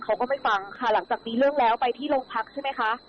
เขาก็ไม่ฟังค่ะหลังจากมีเรื่องแล้วไปที่โรงพักใช่ไหมคะ